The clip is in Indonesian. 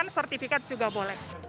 sertifikat juga boleh